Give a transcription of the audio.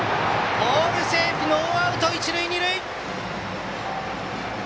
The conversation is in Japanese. オールセーフでノーアウト、一塁二塁！